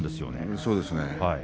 そうです。